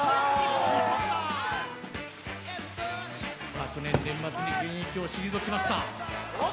昨年の年末に現役を退きました。